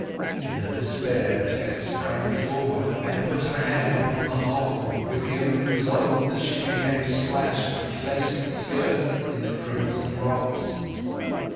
In her despair Tess sprang forward and put her hand upon the hole, with the only result that she became splashed from face to skirt with the crimson drops.